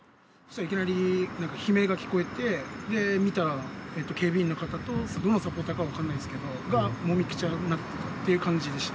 いきなり悲鳴が聞こえて、で、見たら、警備員の方と、どのサポーターが分からないけど、もみくちゃになってたという感じでした。